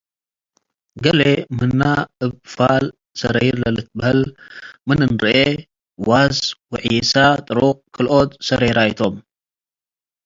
ገሌ ምነ እብ ፋል ሰረይር ለልትበሀል ምን እንርኤ፤ ዋስ ወዒሳ-ጥሩቅ ክልኦት ሰሬራይ ቶም።